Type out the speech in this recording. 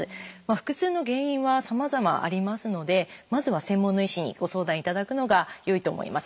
腹痛の原因はさまざまありますのでまずは専門の医師にご相談いただくのがよいと思います。